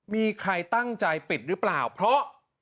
มีใครตั้งใจปิดรึเปล่า